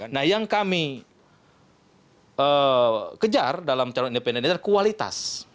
nah yang kami kejar dalam calon independen ini adalah kualitas